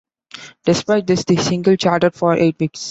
Despite this, the single charted for eight weeks.